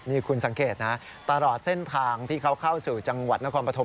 นี่คุณสังเกตนะตลอดเส้นทางที่เขาเข้าสู่จังหวัดนครปฐม